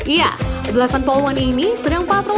ya gelasan poluan ini sedang patrol